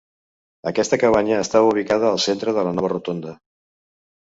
Aquesta cabanya estava ubicada al centre de la nova rotonda.